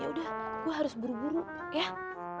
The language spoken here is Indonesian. ya udah gue harus buru buru ya